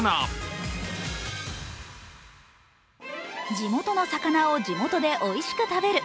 地元の魚を地元でおいしく食べる。